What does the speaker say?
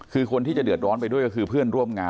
คือคนที่จะเดือดร้อนไปด้วยก็คือเพื่อนร่วมงาน